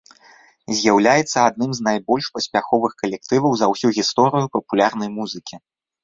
З'яўляецца адным з найбольш паспяховых калектываў за ўсю гісторыю папулярнай музыкі.